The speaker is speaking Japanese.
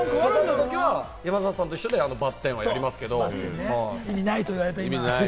山里さんと一緒でバッテンはやりますけれども、意味ないと言われた。